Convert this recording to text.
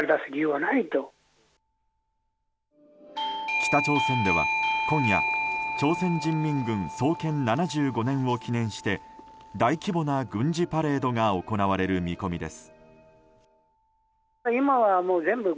北朝鮮では今夜朝鮮人民軍創建７５年を記念して大規模な軍事パレードが行われる見込みです。